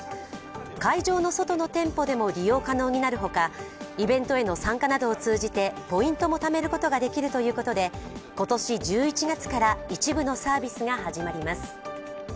会場の外の店舗でも利用可能になるほかイベントへの参加を通じてポイントもためることができるということで今年１１月から一部のサービスが始まります。